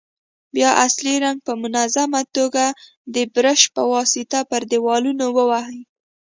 بیا اصلي رنګ په منظمه توګه د برش په واسطه پر دېوالونو ووهئ.